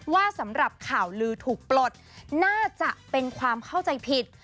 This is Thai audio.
สำหรับข่าวลือถูกปลดน่าจะเป็นความเข้าใจผิด